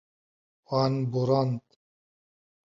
Wan borand.